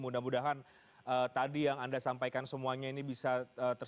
mudah mudahan tadi yang anda sampaikan semuanya ini bisa